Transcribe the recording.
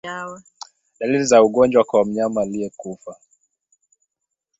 Dalili za ugonjwa kwa mnyama aliyekufa